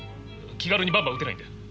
気軽にバンバン撃てないんだよ。